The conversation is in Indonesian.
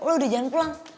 lo udah jalan pulang